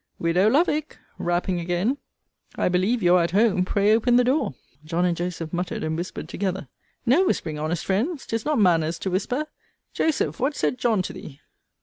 Widow Lovick! rapping again, I believe you are at home: pray open the door. John and Joseph muttered and whispered together. No whispering, honest friends: 'tis not manners to whisper. Joseph, what said John to thee?